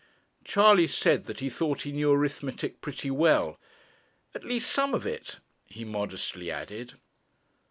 Charley said that he thought he knew arithmetic pretty well; 'at least some of it,' he modestly added.